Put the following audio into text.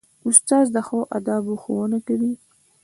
استاد د ښو آدابو ښوونه کوي.